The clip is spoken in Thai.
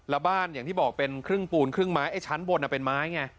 แล้วบ้านอย่างที่บอกเป็นครึ่งปูนครึ่งไม้ไอ้ชั้นบนเป็นไม้ไง